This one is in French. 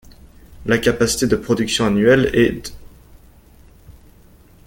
La capacité de production annuelle est d'.